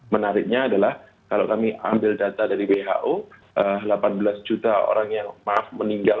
menariknya adalah kalau kami ambil data dari who delapan belas juta orang yang maaf meninggal